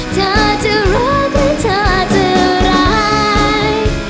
เธอจะรักหรือเธอจะร้าย